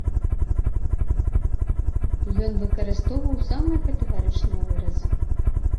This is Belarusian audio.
Ён выкарыстоўваў самыя катэгарычныя выразы.